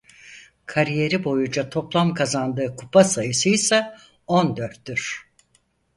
Kariyeri boyunca toplam kazandığı kupa sayısıysa on dörttür.